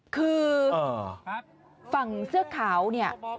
คือฝั่งเสื้อขาวเนี่ย